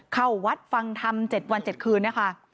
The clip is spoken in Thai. เข้าวัดฟังธรรม๗วัน๗คืนนะคะ